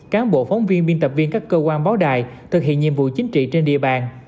cán bộ phóng viên biên tập viên các cơ quan báo đài thực hiện nhiệm vụ chính trị trên địa bàn